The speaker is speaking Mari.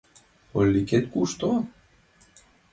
— Оликет кушто?